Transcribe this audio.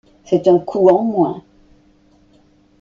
C'est un coût en moins.